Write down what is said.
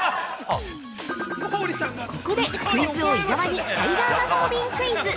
◆ここで、クイズ王・伊沢にタイガー魔法瓶クイズ。